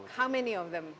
dan ini akan